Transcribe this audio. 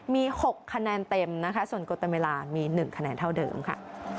มี๖คะแนนเต็มนะคะส่วนกฎตามเวลามี๑คะแนนเท่าเดิมค่ะ